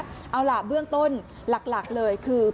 พี่แกบอกว่าคุณผู้ชมไปดูคลิปนี้กันหน่อยนะฮะ